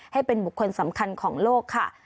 ให้เป็นบุคคลสำคัญของโลกค่ะ